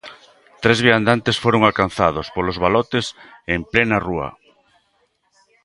Tres viandantes foron alcanzados polos balotes en plena rúa.